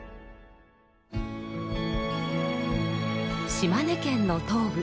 島根県の東部。